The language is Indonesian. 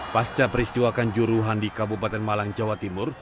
pasca peristiwa kanjuruhan di kabupaten malang jawa timur